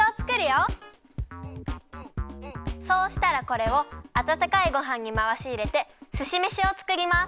そうしたらこれをあたたかいごはんにまわしいれてすしめしをつくります。